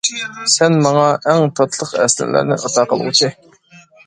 سەن ماڭا ئەڭ تاتلىق ئەسلىمىلەرنى ئاتا قىلغۇچى.